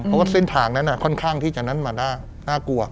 เพราะว่าเส้นทางนั้นค่อนข้างที่จะนั้นมาน่ากลัว